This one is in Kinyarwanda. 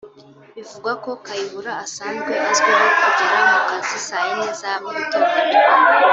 Bivugwa ko Kayihura asanzwe azwiho kugera mu kazi saa yine za mugitondo